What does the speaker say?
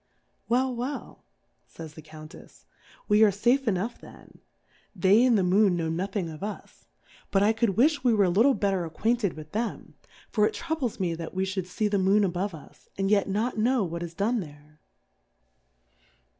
Well, well, fays the Cpuntejs^ we are fafe enough then, they la the Moon know nothing of us \ but I Plurality ^/WORLDS. 61 I could wifli we were a little better ac quainted with them, for it troubles me that we fliould fee the Moon above us, and yet not know what is done there.